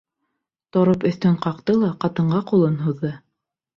Тороп өҫтөн ҡаҡты ла, ҡатынға ҡулын һуҙҙы.